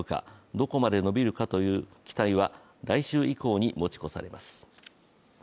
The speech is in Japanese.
どこまで伸びるかという期待は来週以降に持ち越されます。